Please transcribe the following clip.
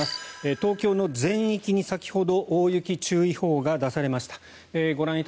東京の全域に先ほど大雪注意報が出されました。